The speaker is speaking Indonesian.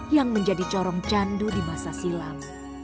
yang menjadi corong candu di masa silam